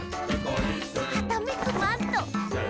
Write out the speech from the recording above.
「はためくマント！」